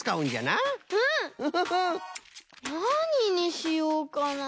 なににしようかな？